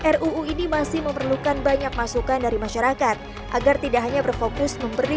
ruu ini masih memerlukan banyak masukan dari masyarakat agar tidak hanya berfokus memberi